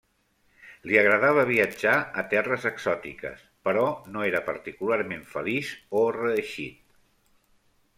Li agradava viatjar a terres exòtiques, però no era particularment feliç o reeixit.